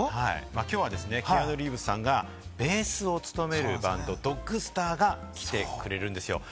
きょうはキアヌ・リーブスさんがベースを務めるバンド・Ｄｏｇｓｔａｒさんが来てくれるんですよ。